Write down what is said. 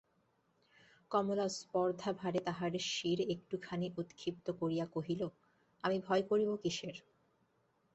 কমলা স্পর্ধাভরে তাহার শির একটুখানি উৎক্ষিপ্ত করিয়া কহিল, আমি ভয় করিব কিসের?